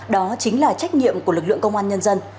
đó chính là trách nhiệm của lực lượng công an nhân dân